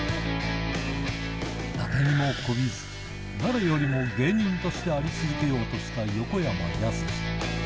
誰にもこびず、誰よりも芸人としてあり続けようとした横山やすし。